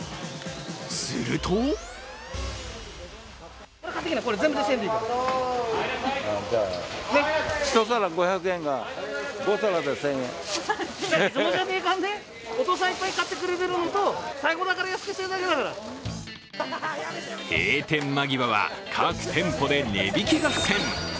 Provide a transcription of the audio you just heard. すると閉店間際は各店舗で値引き合戦。